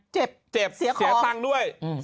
เจ็บเสียของเจ็บเสียตังด้วย